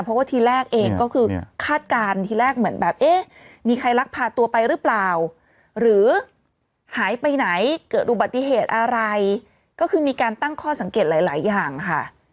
เพราะว่าทีแรกเองก็คือคาดการณ์ทีแรกเหมือนแบบเอ๊ะมีใครลักพาตัวไปหรือเปล่าหรือหายไปไหนเกิดอุบัติเหตุอะไรก็คือมีการตั้งข้อสังเกตหลายอย่างค่ะ